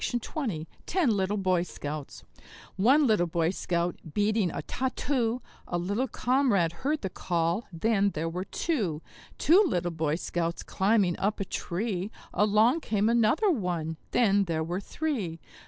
Ten Little Boy Scouts One little Boy Scout beating a tat too; A little comrade heard the call then there were two. Two little Boy Scouts climbing up a tree; Along came another one then there were three.